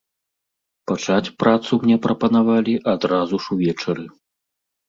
Пачаць працу мне прапанавалі адразу ж увечары.